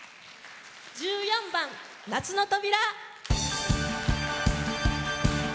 １４番「夏の扉」。